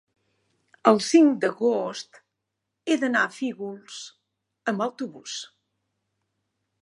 el cinc d'agost he d'anar a Fígols amb autobús.